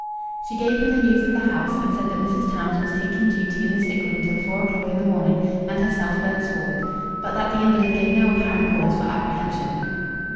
She gave him the news of the house and said that Mrs. Tams was taking duty in the sick room till four o'clock in the morning, and herself thenceforward, but that the invalid gave no apparent cause for apprehension.